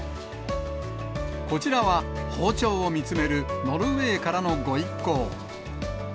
こちらは包丁を見つめるノルウェーからのご一行。